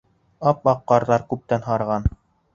Ап-аҡ ҡарҙар күптән һарыған.